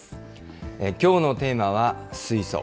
きょうのテーマは、水素。